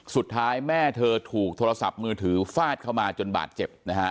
สุดท้ายแม่เธอถูกโทรศัพท์มือถือฟาดเข้ามาจนบาดเจ็บนะฮะ